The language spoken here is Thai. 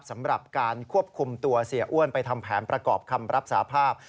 สำหรับการควบคุมตัวเสียอ้วนไปทำแผนประกอบคำรับสาภาพ